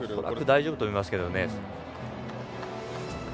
大丈夫だと思いますけどね。